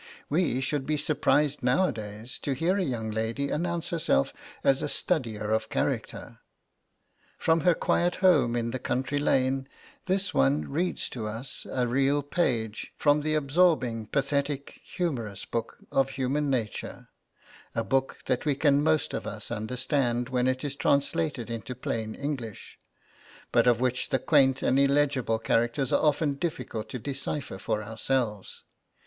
We should be surprised now a days to hear a young lady announce herself as a studier of character. From her quiet home in the country lane this one reads to us a real page from the absorbing pathetic humorous book of human nature a book that we can most of us understand when it is translated into plain English; but of which the quaint and illegible characters are often difficult to decipher for ourselves.